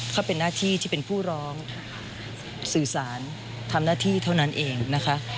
เขาเป็นหน้าที่ที่เป็นผู้ร้องสื่อสารทำหน้าที่เท่านั้นเองนะคะ